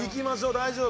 大丈夫。